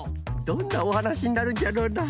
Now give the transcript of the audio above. どんなおはなしになるんじゃろうな？